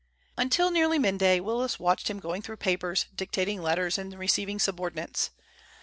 Until nearly midday Willis watched him going through papers, dictating letters, and receiving subordinates.